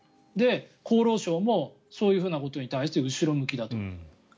で、厚労省もそういうふうなことに対して後ろ向きだと。